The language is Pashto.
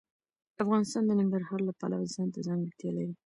افغانستان د ننګرهار د پلوه ځانته ځانګړتیا لري.